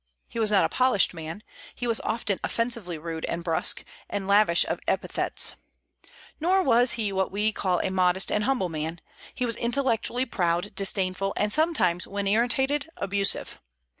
He was not a polished man; he was often offensively rude and brusque, and lavish of epithets, Nor was he what we call a modest and humble man; he was intellectually proud, disdainful, and sometimes, when irritated, abusive.